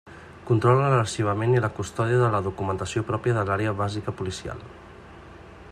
Controla l'arxivament i la custòdia de la documentació pròpia de l'Àrea Bàsica Policial.